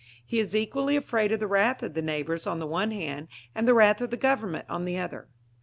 He is equally afraid of the wrath of the neighbours on the one hand, and the wrath of the Government on the other.